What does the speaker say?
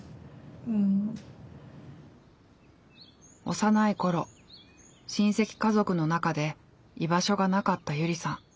幼い頃親戚家族の中で居場所がなかったゆりさん。